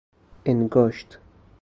انگاشت